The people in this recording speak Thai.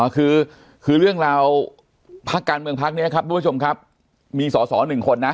คือเรื่องราวพักการเมืองพักเนี่ยครับมีสอสอ๑คนนะ